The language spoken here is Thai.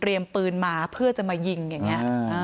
เรียนปืนมาเพื่อจะลองยิงอย่างงี้